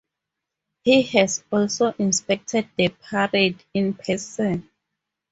He has also inspected the parade in person.